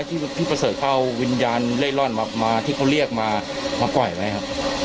ที่ประเสริฐเข้าวิญญาณเล่นร่อนมาที่เขาเรียกมาก่อยไหมครับ